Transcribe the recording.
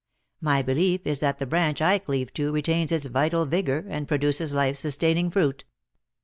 My belief is that the branch I cleave to retains its vital vigor arid produces life sustaining fruit."